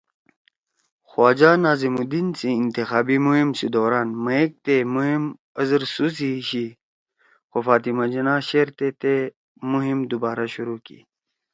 خواجہ ناظم الدین سی انتخابی مہم سی دوران مئیک تے مہم ازر سُست ہی شی خو فاطمہ جناح شیرتے تے مُہم دُوبارا شروع کی